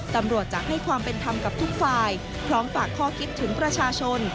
ตำรวจจะให้ความเป็นธรรมกับทุกฝ่ายพร้อมฝากข้อคิดถึงประชาชน